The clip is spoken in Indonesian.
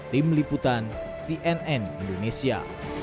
tim liputan cnn indonesia